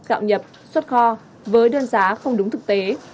gạo nhập xuất kho với đơn giá không đúng thực tế